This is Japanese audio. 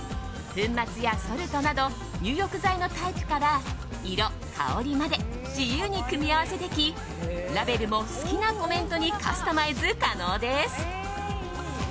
粉末やソルトなど入浴剤のタイプから色、香りまで自由に組み合わせできラベルも好きなコメントにカスタマイズ可能です。